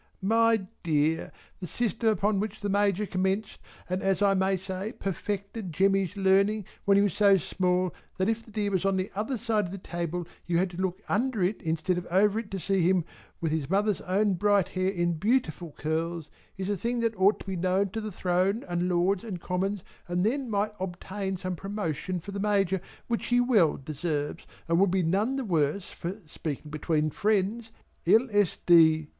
My dear the system upon which the Major commenced and as I may say perfected Jemmy's learning when he was so small that if the dear was on the other side of the table you had to look under it instead of over it to see him with his mother's own bright hair in beautiful curls, is a thing that ought to be known to the Throne and Lords and Commons and then might obtain some promotion for the Major which he well deserves and would be none the worse for (speaking between friends) L. S. D.